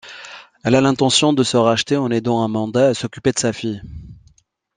Elle a l'intention de se racheter en aidant Amanda à s'occuper de sa fille.